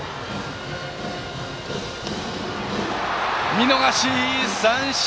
見逃し三振！